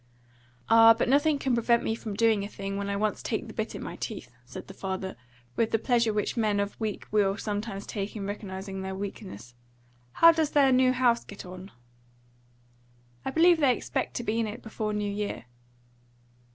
"Ah, but nothing can prevent me from doing a thing when once I take the bit in my teeth," said the father, with the pleasure which men of weak will sometimes take in recognising their weakness. "How does their new house get on?" "I believe they expect to be in it before New Year."